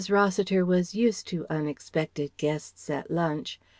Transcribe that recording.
Rossiter was used to unexpected guests at lunch.